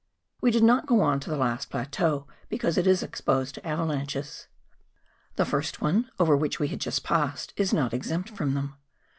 We did not go on to the last plateau, because it is exposed to avalanches. The first one over which we had just passed, is not exempt from them.